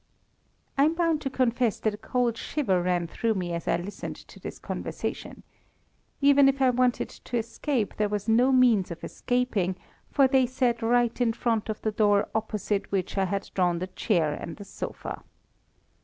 I'm bound to confess that a cold shiver ran through me as I listened to this conversation. Even if I wanted to escape there was no means of escaping, for they sat right in front of the door opposite which I had drawn the chair and the sofa.